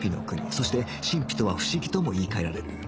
そして神秘とは不思議とも言い換えられる